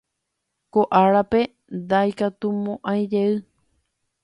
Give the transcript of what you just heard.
Ko árape ndaikatumo'ãijey.